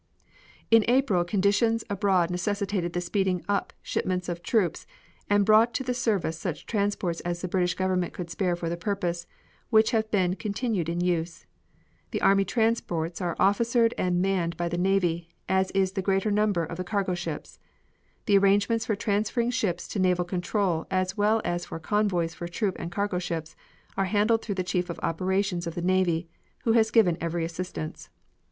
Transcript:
In April conditions abroad necessitated the speeding up shipments of troops, and brought to the service such transports as the British Government could spare for the purpose, which have been continued in use. The army transports are officered and manned by the navy, as is the greater number of the cargo ships. The arrangements for transferring ships to naval control as well as for convoys for troop and cargo ships are handled through the Chief of Operations of the navy, who has given every assistance.